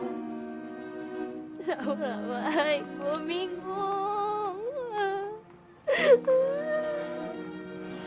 ya allah maik gue bingung